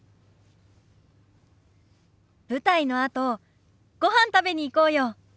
舞台のあとごはん食べに行こうよ。